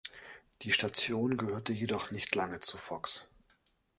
Die Station gehörte jedoch nicht lange zu Fox.